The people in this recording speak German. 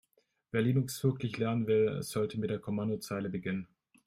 Wer Linux wirklich lernen will, sollte mit der Kommandozeile beginnen.